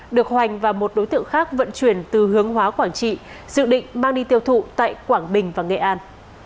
được hoành và một đối tượng khác vận chuyển từ hướng hóa quảng trị dự định mang đi tiêu thụ tại quảng bình và nghệ an